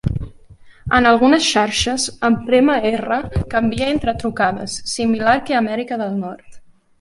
En algunes xarxes, en prémer R canvia entre trucades, similar que a Amèrica del Nord.